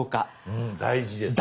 うん大事ですね。